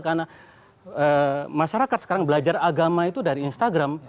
karena masyarakat sekarang belajar agama itu dari instagram